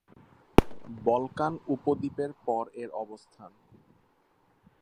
Balkan উপদ্বীপের পর এর অবস্থান।